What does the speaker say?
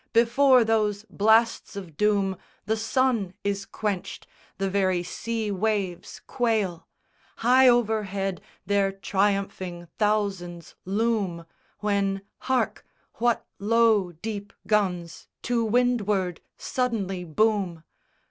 Before those blasts of doom The sun is quenched, the very sea waves quail: High overhead their triumphing thousands loom, When hark! what low deep guns to windward suddenly boom?